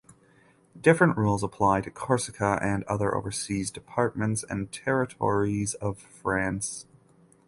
Different rules apply to Corsica and other overseas departments and territories of France.